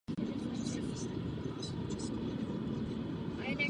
Udržitelný růst je nesmírně složitý problém.